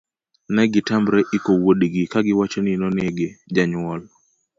negitamre iko wuodgi kagiwacho ni nonege. jonyuol